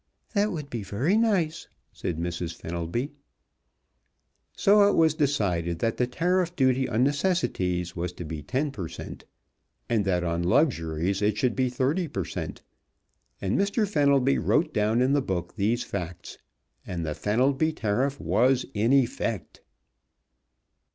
"That would be very nice," said Mrs. Fenelby. So it was decided that the tariff duty on necessities was to be ten per cent., and that on luxuries it should be thirty per cent., and Mr. Fenelby wrote down in the book these facts, and the Fenelby Tariff was in effect.